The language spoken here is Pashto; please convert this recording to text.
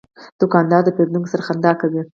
دوکاندار د پیرودونکو سره خندا کوي.